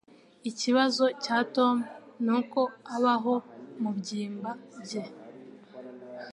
Ikibazo cya Tom nuko abaho mubyimba bye.